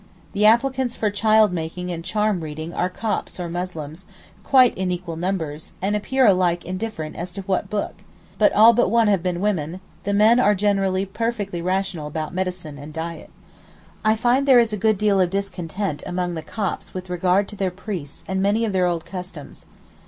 The applicants for child making and charm reading are Copts or Muslims, quite in equal numbers, and appear alike indifferent as to what 'Book': but all but one have been women; the men are generally perfectly rational about medicine and diet. I find there is a good deal of discontent among the Copts with regard to their priests and many of their old customs.